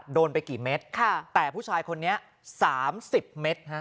โดนไปกี่เม็ดค่ะแต่ผู้ชายคนนี้สามสิบเม็ดฮะ